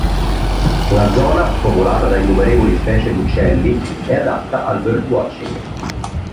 La zona, popolata da innumerevoli specie di uccelli, è adatta al "birdwatching".